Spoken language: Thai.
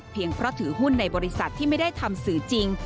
เพราะถือหุ้นในบริษัทที่ไม่ได้ทำสื่อจริง